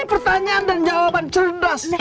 ini pertanyaan dan jawaban cerdas nih